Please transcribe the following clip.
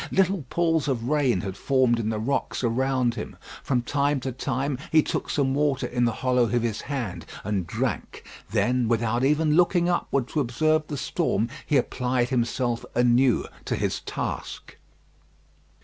Little pools of rain had formed in the rocks around him. From time to time he took some water in the hollow of his hand and drank. Then, without even looking upward to observe the storm, he applied himself anew to his task.